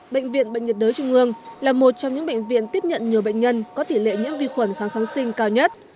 bệnh viện bệnh nhiệt đới trung ương là một trong những bệnh viện tiếp nhận nhiều bệnh nhân có tỷ lệ nhiễm vi khuẩn kháng kháng sinh cao nhất